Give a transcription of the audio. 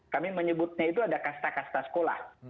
kami menyebutnya itu ada kasta kasta sekolah